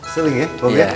seling ya bopi ya